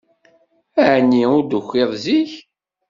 Ɛni ur d-tukiḍ zik?